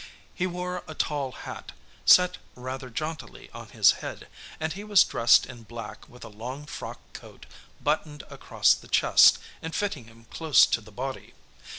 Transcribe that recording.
He wore a tall hat, set rather jauntily on his head, and he was dressed in black with a long frock coat buttoned across the chest and fitting him close to the body.